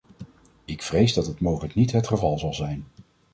Ik vrees dat het mogelijk niet het geval zal zijn.